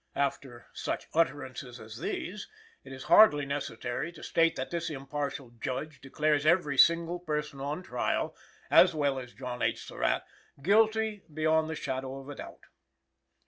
After such utterances as these, it is hardly necessary to state that this impartial Judge declares every single person on trial, as well as John H. Surratt, guilty beyond the shadow of a doubt.